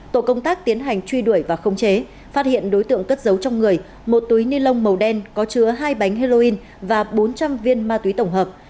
tổ công tác tiến hành truy đuổi và khống chế phát hiện đối tượng cất giấu trong người một túi ni lông màu đen có chứa hai bánh heroin và bốn trăm linh viên ma túy tổng hợp